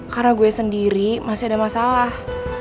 karena gue sendiri masih ada masalah